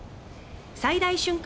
最大瞬間